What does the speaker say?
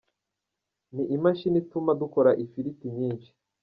Ni imashini ituma dukora ifiriti nyinshi.